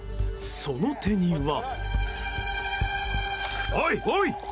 その手には。